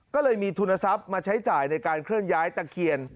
ก็เลยมีทุนทรัพย์มาใช้จ่ายในการเคลื่อนย้ายตะเคียน